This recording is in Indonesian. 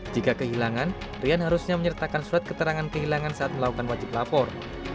jika kehilangan rian harusnya menyertakan surat keterangan kehilangan saat melakukan wajib lapor